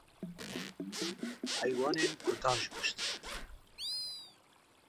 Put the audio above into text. heywanên Kurdan jî kuştin.